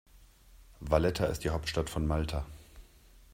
Valletta ist die Hauptstadt von Malta.